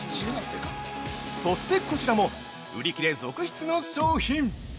そしてこちらも売り切れ続出の商品。